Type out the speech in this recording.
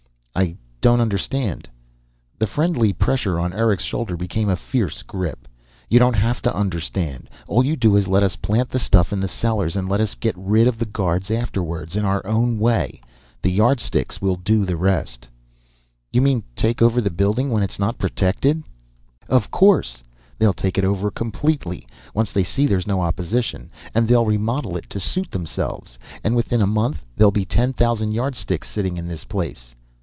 "I don't understand." The friendly pressure on Eric's shoulder became a fierce grip. "You don't have to understand. All you do is let us plant the stuff in the cellars and let us get rid of the guards afterwards in our own way. The Yardsticks will do the rest." "You mean, take over the building when it's not protected?" "Of course. They'll take it over completely, once they see there's no opposition. And they'll remodel it to suit themselves, and within a month there'll be ten thousand Yardsticks sitting in this place."